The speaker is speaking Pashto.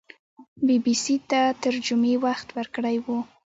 بي بي سي ته تر جمعې وخت ورکړی وو